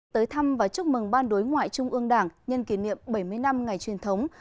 tới thăm và chúc mừng ban đối ngoại trung ương đảng nhân kỷ niệm bảy mươi năm ngày truyền thống